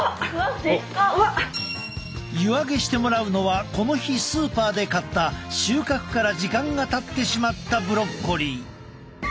湯揚げしてもらうのはこの日スーパーで買った収穫から時間がたってしまったブロッコリー。